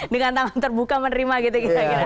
dengan tangan terbuka menerima gitu